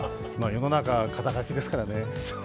世の中、肩書ですからね。